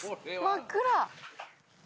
真っ暗！